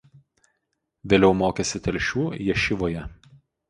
Vėliau mokėsi Telšių ješivoje.